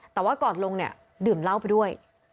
แต่ว่าก่อนลงเนี่ยดื่มเหล้าไปด้วย